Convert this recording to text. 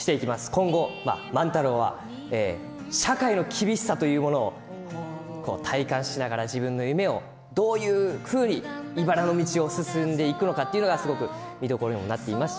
今後、万太郎は社会の厳しさというものを体感しながら自分の夢をどういうふうにいばらの道を進んでいくのかというのが見どころになっています。